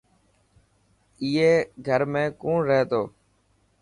ائي گھر ۾ ڪون رهي ٿو.